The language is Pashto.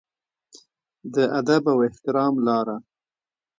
د ادب او احترام لاره.